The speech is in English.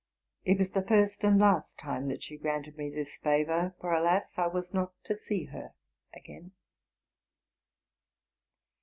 It was the first and last time that she granted me this favor; for, alas! I was not to see her again.